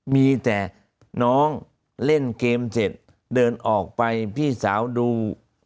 มีแต่น้องเล่นเกมเสร็จเดินออกไปพี่สาวดู